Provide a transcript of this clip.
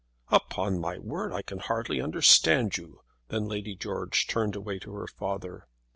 "Upon my word, I can hardly understand you!" Then Lady George turned away to her father.